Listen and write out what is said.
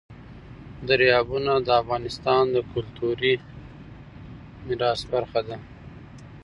دریابونه د افغانستان د کلتوري میراث برخه ده.